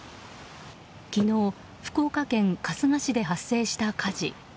昨日、福岡県春日市で発生した火事。